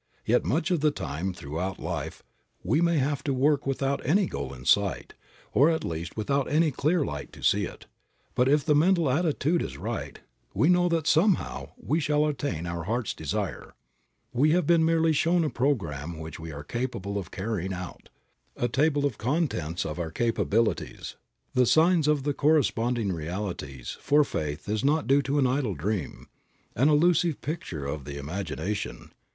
Yet much of the time throughout life we may have to work without any goal in sight, or at least without any clear light to see it, but if the mental attitude is right we know that, somehow, we shall attain our heart's desire. We have merely been shown a program which we are capable of carrying out, a table of contents of our capabilities, the signs of the corresponding realities, for faith is not an idle dream, an illusive picture of the imagination.